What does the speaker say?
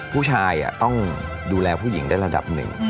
ผู้ชายต้องดูแลผู้หญิงได้ระดับหนึ่ง